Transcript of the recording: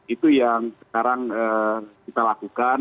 itu yang sekarang kita lakukan